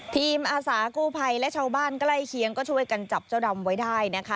อาสากู้ภัยและชาวบ้านใกล้เคียงก็ช่วยกันจับเจ้าดำไว้ได้นะคะ